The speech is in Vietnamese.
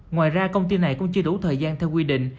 ngoài ra công ty này cũng chưa đủ thời gian theo quy định